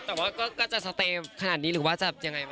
แต่ว่าก็จะอยู่ขนาดนี้หรือว่าจะยังไง